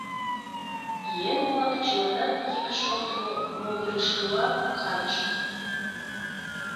Еҥ-влак чыланат йӱк шоктымо могырышкыла кайышт.